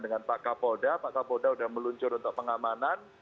dan pak kapolda pak kapolda sudah meluncur untuk pengamanan